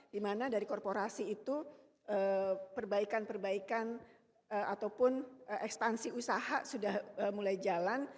dimana dari korporasi itu perbaikan perbaikan ataupun ekstansi usaha sudah mulai jalan